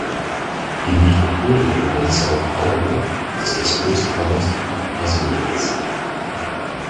Die Metropolregion São Paulo ist das größte Ballungsgebiet Brasiliens.